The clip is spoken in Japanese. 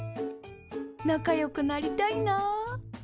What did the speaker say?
仲よくなりたいなあ。